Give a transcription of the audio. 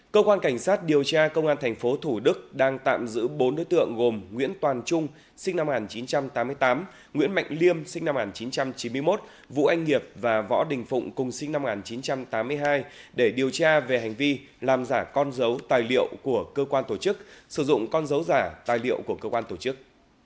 cơ quan cảnh sát điều tra công an thành phố thủ đức đang tạm giữ bốn đối tượng gồm nguyễn toàn trung sinh năm một nghìn chín trăm tám mươi tám nguyễn mạnh liêm sinh năm một nghìn chín trăm chín mươi một vũ anh nghiệp và võ đình phụng cùng sinh năm một nghìn chín trăm tám mươi hai để điều tra về hành vi làm giả con dấu tài liệu của cơ quan tổ chức sử dụng con dấu giả tài liệu của cơ quan tổ chức